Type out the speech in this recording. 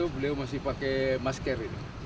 beliau masih pakai masker